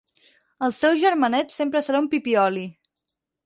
El seu germanet sempre serà un pipioli.